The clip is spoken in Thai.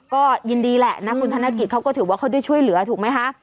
ก็ยินดีแหละนะคุณธนกิจเขาก็ถือว่าเขาได้ช่วยเหลือถูกไหมคะ